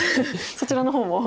そちらの方も。